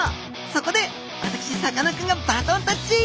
そこで私さかなクンがバトンタッチ！